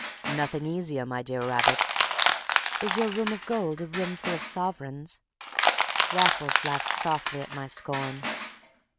"Nothing easier, my dear rabbit." "Is your Room of Gold a roomful of sovereigns?" Raffles laughed softly at my scorn.